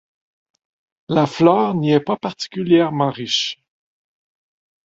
La flore n'y est pas particulièrement riche.